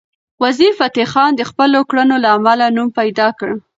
وزیرفتح خان د خپلو کړنو له امله نوم پیدا کړ.